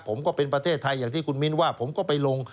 ผมก็เป็นประเทศไทยอย่างที่คุณมิ้นว่าผมก็ไปลง